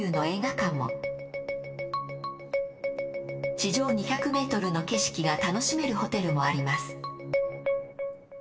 地上２００ｍの景色が楽しめるホテルもあります。